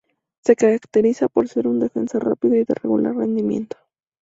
Se caracteriza por ser un defensa rápido y de un regular rendimiento.